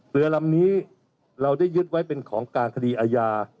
เรือลำนี้เราได้ยึดไว้เป็นของกลางคดีอาญา